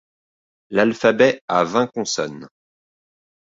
l'alphabet a vingt consonnes